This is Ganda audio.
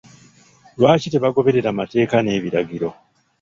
Lwaki tebagoberera mateeka n'ebiragiro?